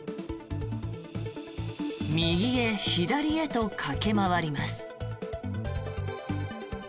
右へ左へと駆け回ります。